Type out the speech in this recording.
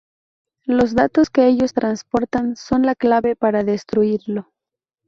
Los datos que ellos transportan son la clave para destruirlo.